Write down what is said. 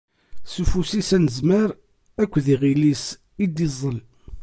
S ufus-is anezmar akked yiɣil-is i d-iẓẓel.